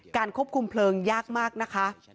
ควบคุมเพลิงยากมากนะคะ